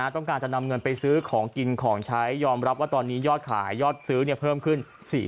ต้องการจะนำเงินไปซื้อของกินของใช้ยอมรับว่าตอนนี้ยอดขายยอดซื้อเพิ่มขึ้น